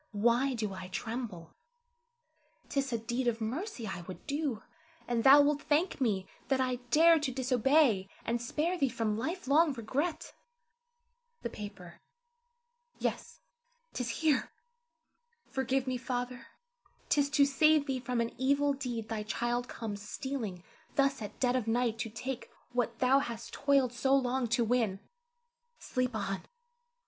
Why do I tremble? 'T is a deed of mercy I would do, and thou wilt thank me that I dared to disobey, and spare thee from life long regret. The paper, yes, 'tis here! Forgive me, Father; 'tis to save thee from an evil deed thy child comes stealing thus at dead of night to take what thou hast toiled so long to win. Sleep on!